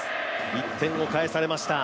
１点を返されました。